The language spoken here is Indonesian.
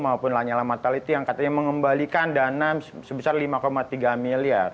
maupun lani alam ataliti yang katanya mengembalikan dana sebesar lima tiga miliar